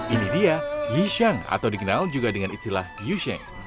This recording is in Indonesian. ini dia yishang atau dikenal juga dengan istilah yusheng